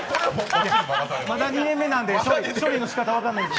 まだ２年目なんで、処理のしかたが分からないんです。